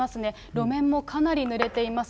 路面もかなりぬれています。